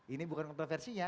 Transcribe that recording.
ini bukan kontroversinya